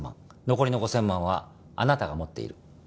残りの５０００万はあなたが持っている。